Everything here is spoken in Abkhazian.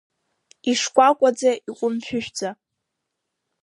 Ишкәакәаӡа, иҟәымшәышәӡа…